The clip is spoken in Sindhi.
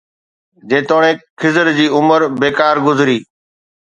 جيتوڻيڪ خضر جي عمر بيڪار گذري